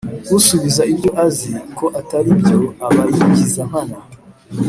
usubiza ibyo azi ko atari byo aba yigiza nkana